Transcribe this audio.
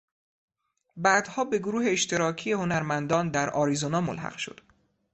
بعدها به گروه اشتراکی هنرمندان در آریزونا ملحق شد.